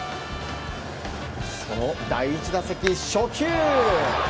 その第１打席初球。